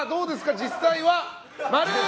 実際は。